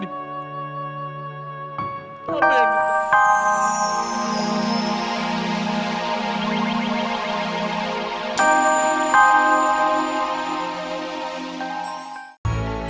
sampai jumpa lagi